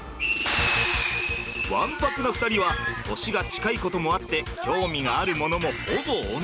ワンパクな２人は年が近いこともあって興味があるものもほぼ同じ。